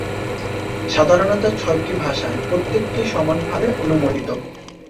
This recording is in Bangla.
সাধারণত, ছয়টি ভাষার প্রত্যেকটি সমানভাবে অনুমোদিত।